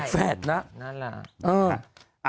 ใช่นั่นแหละ